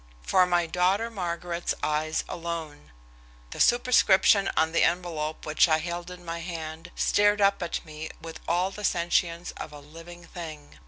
"For my daughter Margaret's eyes alone." The superscription on the envelope which I held in my hand stared up at me with all the sentience of a living thing.